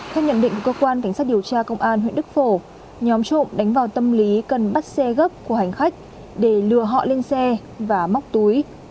theo nhận định của cơ quan cảnh sát điều tra công an huyện đức phổ nhóm trộm đánh vào tâm lý cần bắt xe gấp của hành khách để lừa họ lên xe và móc túi